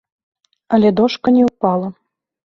Але дошка не ўпала.